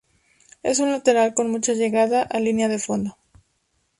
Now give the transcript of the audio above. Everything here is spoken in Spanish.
Es un lateral con mucha llegada a línea de fondo.